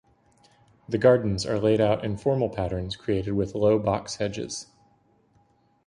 The gardens are laid out in formal patterns created with low box hedges.